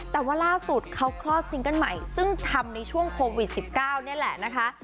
แต่ว่าล่าสุดเขาคลอดซิงเกิ้ลใหม่ซึ่งทำในช่วงโควิด๑๙นี่แหละนะคะ